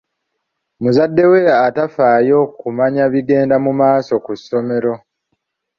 Muzadde we atafaayo kumanya bigenda mu maaso ku ssomero.